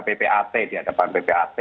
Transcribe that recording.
ppat di hadapan ppat